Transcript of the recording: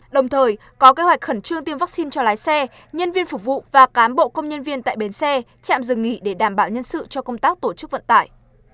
đồng thời có kế hoạch khẩn trương tiêm vaccine cho lái xe nhân viên phục vụ và cán bộ công nhân viên tại bến xe trạm dừng nghỉ để đảm bảo nhân sự cho công tác tổ chức vận tải